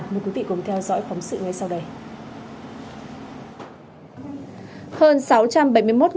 mời quý vị cùng theo dõi phóng sự ngay sau đây